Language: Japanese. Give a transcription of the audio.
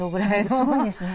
すごいですね。